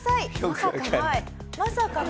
まさかの。